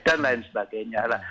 dan lain sebagainya